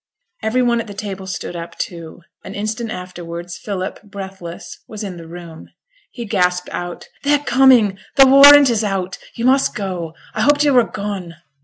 Every one at table stood up too. An instant afterwards, Philip, breathless, was in the room. He gasped out, 'They're coming! the warrant is out. You must go. I hoped you were gone.'